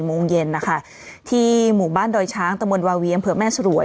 โมงเย็นนะคะที่หมู่บ้านดอยช้างตะมนตวาวีอำเภอแม่สรวย